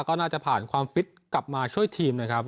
ก็น่าจะผ่านความฟิตกลับมาช่วยทีมนะครับ